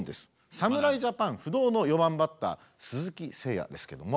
侍ジャパン不動の４番バッター鈴木誠也ですけども。